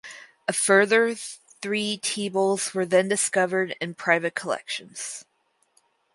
A further three tea bowls were then discovered in private collections.